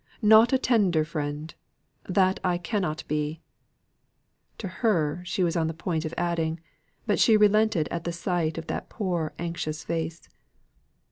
Not a tender friend. That I cannot be," ("to her," she was on the point of adding, but she relented at the sight of that poor, anxious face.)